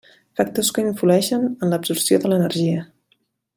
Factors que influeixen en l'absorció de l'energia.